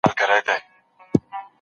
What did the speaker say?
د دې پوښتنې ځواب خورا پراخ دی.